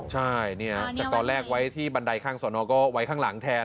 ใช่เนี่ยจากตอนแรกไว้ที่บันไดข้างสอนอก็ไว้ข้างหลังแทน